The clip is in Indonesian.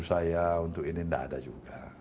saya untuk ini tidak ada juga